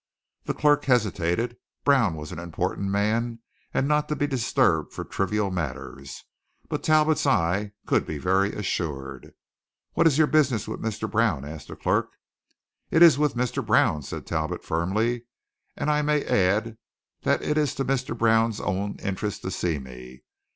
The clerk hesitated: Brown was an important man and not to be disturbed for trivial matters. But Talbot's eye could be very assured. "What is your business with Mr. Brown?" asked the clerk. "It is with Mr. Brown," said Talbot firmly, "and I may add that it is to Mr. Brown's own interest to see me.